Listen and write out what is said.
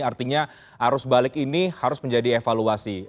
artinya arus balik ini harus menjadi evaluasi